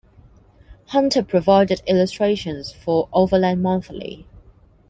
Hunter provided illustrations for Overland Monthly.